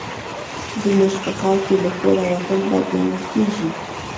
زموږ په ښار کې له کوره وتل بد ګڼل کېږي